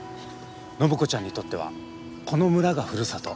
暢子ちゃんにとってはこの村がふるさと。